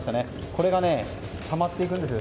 これが下にたまっていくんですよ。